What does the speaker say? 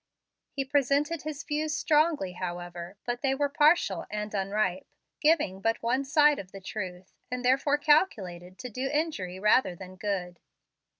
He presented his views strongly, however; but they were partial and unripe, giving but one side of the truth, and therefore calculated to do injury rather than good.